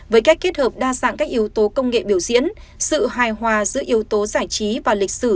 với cách kết hợp đa dạng các yếu tố công nghệ biểu diễn sự hài hòa giữa yếu tố giải trí và lịch sử